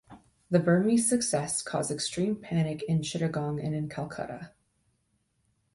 The Burmese success caused extreme panic in Chittagong and in Calcutta.